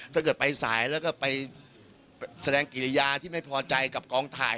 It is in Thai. ถ้าเกิดไปสายแล้วก็ไปแสดงกิริยาที่ไม่พอใจกับกองถ่าย